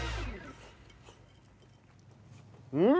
うん！